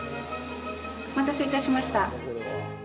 お待たせいたしました。